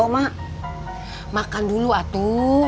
makan dulu atu